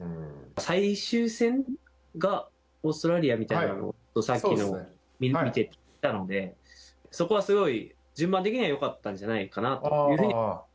最終戦がオーストラリアなのをさっき見たのでそこはすごい順番的には良かったんじゃないかなと。